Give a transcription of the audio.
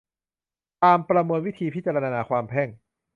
ตาม ประมวลวิธีพิจารณาความแพ่ง